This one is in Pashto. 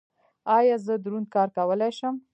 ایا زه دروند کار کولی شم؟